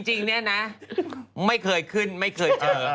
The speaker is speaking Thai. จริงเนี่ยนะไม่เคยขึ้นไม่เคยเจอ